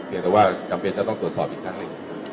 เพียงแต่ว่ากัมเบนท์จะต้องตรวจสอบอีกครั้งเลย